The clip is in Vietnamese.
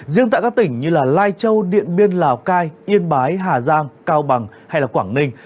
riêng tại các tỉnh như lai châu điện biên lào cai yên bái hà giang cao bằng hay quảng ninh